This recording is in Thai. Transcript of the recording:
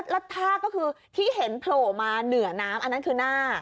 แล้วท่าก็คือที่เห็นโผล่มาเหนือน้ำอันนั้นคือหน้า